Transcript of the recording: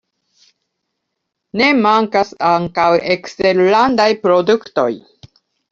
Ne mankas ankaŭ eksterlandaj produktoj.